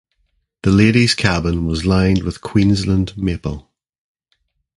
The ladies cabin was lined with Queensland maple.